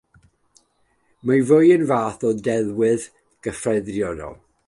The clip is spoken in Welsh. Mae'n fwy yn fath o ddelwedd gyffredinol.